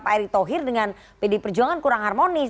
pak erick thohir dengan pd perjuangan kurang harmonis